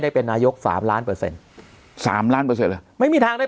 ได้เป็นนายกสามล้านเปอร์เซ็นต์สามล้านเปอร์เซ็นเลยไม่มีทางได้